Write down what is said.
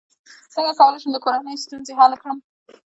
څنګه کولی شم د کورنۍ ستونزې حل کړم